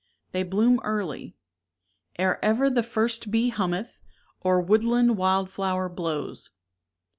They bloom early, Ere ever the first bee hummeth, Or woodland wild flower blows.